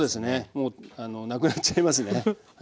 もうなくなっちゃいますんでね。